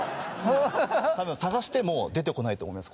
多分探しても出てこないと思います